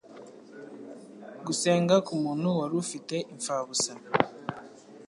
Gusenga k'umuntu wari ufite 'impfabusa